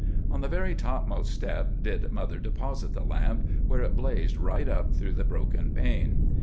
"On the very topmost step did mother deposit the lamp, where it blazed right up through the broken pane.